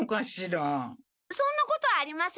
そんなことありません。